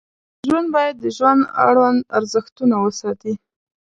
ژوند باید د ژوند اړوند ارزښتونه وساتي.